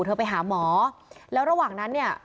เธอไปหาหมอแล้วระหว่างนั้นเนี่ย